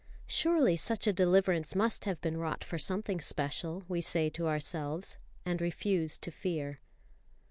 Surely such a deliverance must have been wrought for something special, we say to ourselves, and refuse to fear.